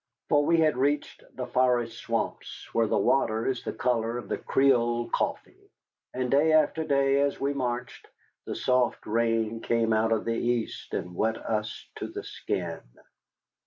For we had reached the forest swamps where the water is the color of the Creole coffee. And day after day as we marched, the soft rain came out of the east and wet us to the skin.